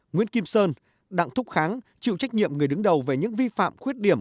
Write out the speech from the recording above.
nguyễn kim sơn đặng thúc kháng chịu trách nhiệm người đứng đầu về những vi phạm khuyết điểm